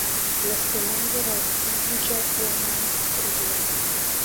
لە سێ مانگی ڕابردوو، دوو جار ئەوەمان کردووە.